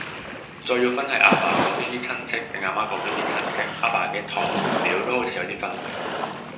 再要分係阿爸嗰邊啲親戚，定阿媽嗰邊啲親戚，阿爸嘅堂同表都好似有得分